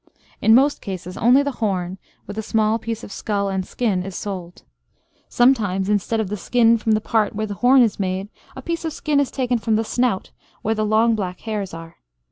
In most cases only the horn, with a small piece of skull and skin, is sold. Sometimes, instead of the skin from the part where the horn is made, a piece of skin is taken from the snout, where the long black hairs are.